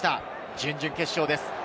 準々決勝です。